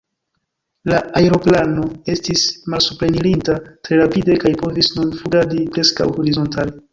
La aeroplano estis malsuprenirinta tre rapide kaj povis nun flugadi preskaŭ horizontale.